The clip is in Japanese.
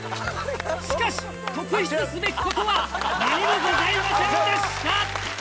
しかし特筆すべきことは何もございませんでした！